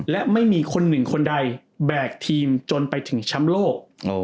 และไม่มีคนหนึ่งคนใดแบกทีมจนไปถึงแชมป์โลก